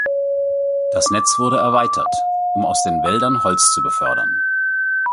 Das Netz wurde erweitert, um aus den Wäldern Holz zu befördern.